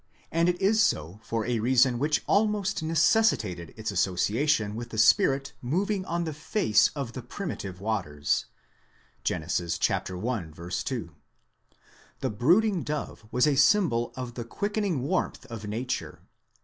° and it is so for a reason which almost necessitated its association with the Spirit moving on the face of the primitive waters (Gen. i. 2). The brooding dove was a symbol of the quickening warmth of nature